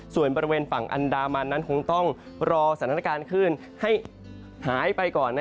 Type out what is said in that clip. ส่วนบริเวณฝั่งอันดามันนั้นคงต้องรอสถานการณ์คลื่นให้หายไปก่อน